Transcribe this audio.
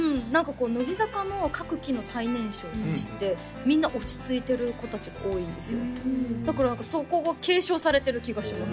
乃木坂の各期の最年少達ってみんな落ち着いてる子達が多いんですよだからそこが継承されてる気がします